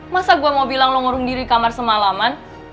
masa gue mau bilang lo ngurung diri kamar semalaman